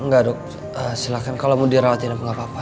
enggak dok silahkan kalau mau dirawatinap nggak apa apa